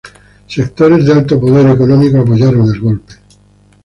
Sectores de alto poder económico apoyaron el golpe.